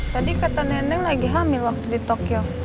tadi kata neneng lagi hamil waktu di tokyo